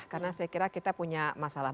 karena saya kira kita punya masalah